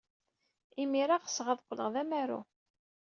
Imir-a, ɣseɣ ad qqleɣ d amaru.